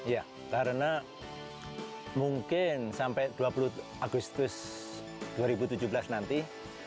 ya karena mungkin sampai dua puluh agustus dua ribu tujuh belas nanti